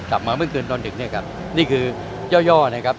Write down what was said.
กลับมาเมื่อคืนตอนถึงเนี่ยครับนี่คือย่อย่อนะครับ